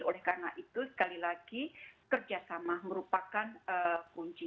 oleh karena itu sekali lagi kerjasama merupakan kunci